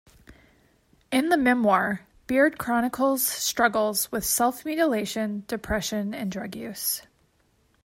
In the memoir, Beard chronicles struggles with self-mutilation, depression and drug use.